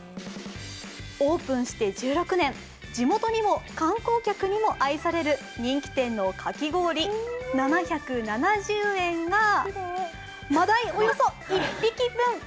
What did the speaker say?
オープンして１６年、地元にも観光客にも愛される人気店のかき氷７７０円が、マダイおよそ１匹分。